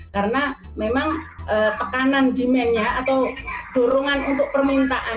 karena memang tekanan demand nya atau dorongan untuk permintaan